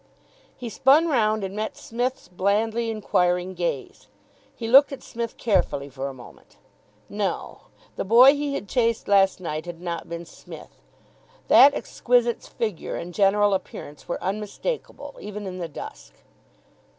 He spun round and met Psmith's blandly inquiring gaze. He looked at Psmith carefully for a moment. No. The boy he had chased last night had not been Psmith. That exquisite's figure and general appearance were unmistakable, even in the dusk.